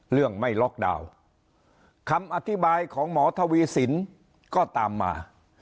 ไม่ล็อกดาวน์คำอธิบายของหมอทวีสินก็ตามมา